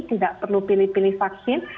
tidak perlu pilih pilih vaksin